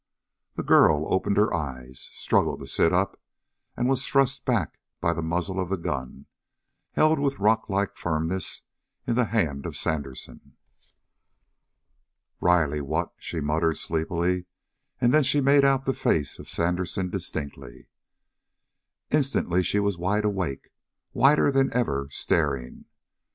The girl opened her eyes, struggled to sit up, and was thrust back by the muzzle of the gun, held with rocklike firmness in the hand of Sandersen. "Riley what " she muttered sleepily and then she made out the face of Sandersen distinctly. Instantly she was wide awake, whiter than ever, staring.